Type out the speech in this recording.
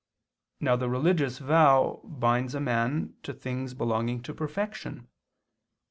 Now the religious vow binds a man to things belonging to perfection.